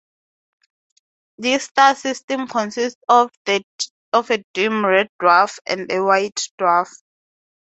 This star system consists of a dim red dwarf and a white dwarf.